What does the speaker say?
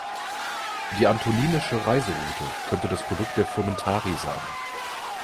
Die Antoninische Reiseroute könnte das Produkt der Frumentarii sein.